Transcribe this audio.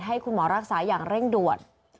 ให้คุณหมอรักษาอย่างเร่งด่วน